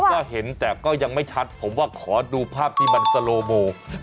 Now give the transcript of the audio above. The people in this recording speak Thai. ก็เห็นแต่ก็ยังไม่ชัดผมว่าขอดูภาพที่มันสโลโม